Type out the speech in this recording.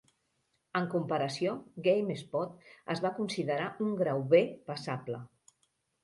En comparació, GameSpot es va considerar un Grau B "passable".